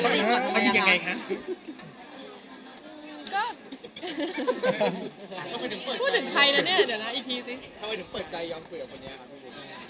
ทำไมถึงเปิดใจคุยกับคนนี้อะค่ะ